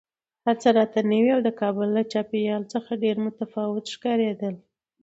هر څه راته نوي او د کابل له چاپېریال څخه ډېر متفاوت ښکارېدل